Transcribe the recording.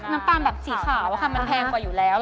น้ำตาลแบบสีขาวมันแพงกว่าอยู่แล้ว